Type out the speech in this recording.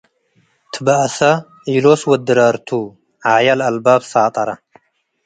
ትበአሰ ኤሎስ ወድ ድራርቱ - ዓያ ለአልባብ ሳጠረ